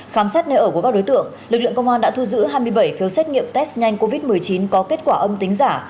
khám xét nơi ở của các đối tượng lực lượng công an đã thu giữ hai mươi bảy phiếu xét nghiệm test nhanh covid một mươi chín có kết quả âm tính giả